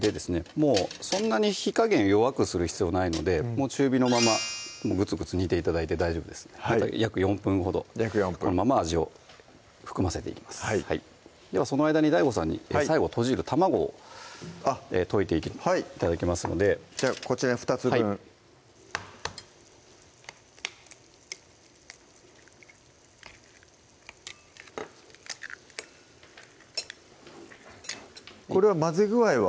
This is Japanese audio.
もうそんなに火加減弱くする必要ないのでもう中火のままグツグツ煮て頂いて大丈夫です約４分ほどこのまま味を含ませていきますではその間にＤＡＩＧＯさんに最後とじる卵をあっ溶いて頂きますのでじゃあこちらに２つ分これは混ぜ具合は？